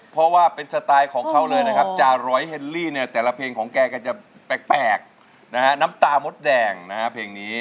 เพราะว่าเป็นสไตล์ของเขาเลยนะครับจาร้อยเฮลลี่เนี่ยแต่ละเพลงของแกก็จะแปลกนะฮะน้ำตามดแดงนะฮะเพลงนี้